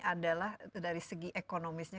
adalah dari segi ekonomisnya